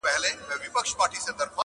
• ستا سي کلی شپو خوړلی -